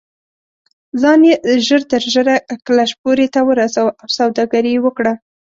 ځان یې ژر تر ژره کلشپورې ته ورساوه او سوداګري یې وکړه.